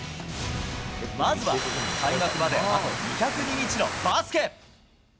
まずは開幕まであと２０２日のバスケ。